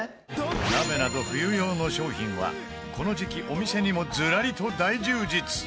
鍋など、冬用の商品はこの時期お店にもズラリと大充実